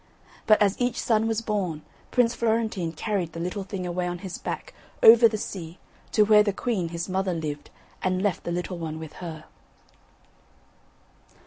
But as each son was born Prince Florentine carried the little thing away on his back over the sea to where the queen his mother lived and left the little one with her.